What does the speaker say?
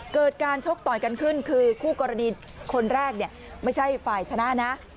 เกิดการชกต่อยกันขึ้นคือคู่กรณีคนแรกเนี่ยไม่ใช่ฝ่ายชนะนะ